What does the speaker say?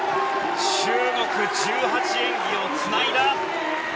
中国、１８演技をつないだ！